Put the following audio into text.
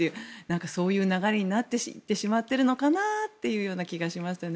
そういう流れになっていってしまっているのかなという気がしましたね。